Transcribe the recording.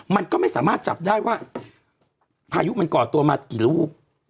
มันก็ไม่สามารถจับได้ว่าพายุมันก่อตัวมากี่ลูก